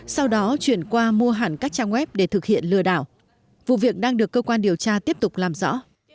sau đó chuyển qua mua hẳn các trang web để thực hiện lừa đảo vụ việc đang được cơ quan điều tra tiếp tục làm rõ